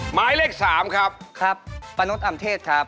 หมายเลข๓ครับครับป้านุษย์อำเทศครับ